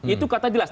itu kata jelas